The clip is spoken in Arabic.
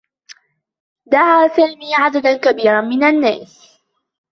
دعى سامي عددا كبيرا من النّاس.